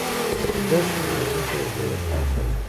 دښتې د ځمکې د جوړښت نښه ده.